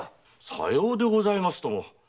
さようでございますとも。